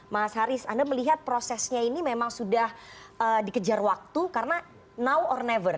mas haris anda melihat prosesnya ini memang sudah dikejar waktu karena now or never